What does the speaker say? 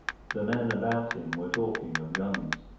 The men about him were talk¬ ing of guns.